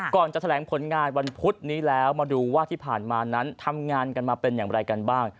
ก่อนจะแถลงผลงานวันพุธนี้แล้วมาดูว่าที่ผ่านมานั้นทำงานกันมาเป็นอย่างไรกันบ้าง